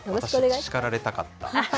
叱られたかった。